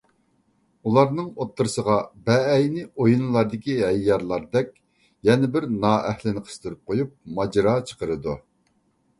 ئۇلارنىڭ ئوتتۇرىسىغا بەئەينى ئويۇنلاردىكى ھەييارلاردەك يەنە بىر نائەھلىنى قىستۇرۇپ قويۇپ ماجىرا چىقىرىدۇ.